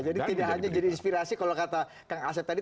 jadi tidak hanya jadi inspirasi kalau kata kang asep tadi